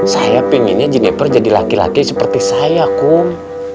saya pinginnya jennifer jadi laki laki seperti saya kum